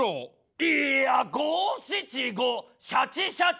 いや五・七・五・シャチ・シャチ。